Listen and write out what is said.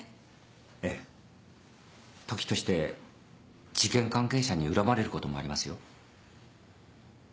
ええ時として事件関係者に恨まれることもありますよ。